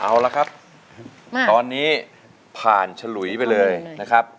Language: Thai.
เอาละครับตอนนี้ผ่านฉลุยไปเลยนะครับ